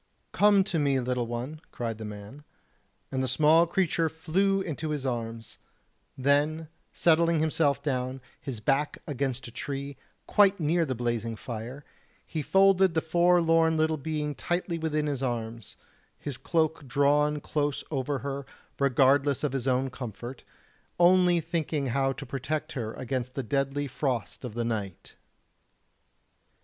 "Come to me, little one," cried the man, and the small creature flew into his arms; then settling himself down, his back against a tree, quite near the blazing fire, he folded the forlorn little being tightly within his arms, his cloak drawn close over her, regardless of his own comfort, only thinking how to protect her against the deadly frost of the night.